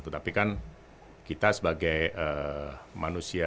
tetapi kan kita sebagai manusia